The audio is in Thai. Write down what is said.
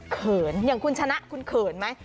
เขินอย่างคุณชนะคุณเขินไหม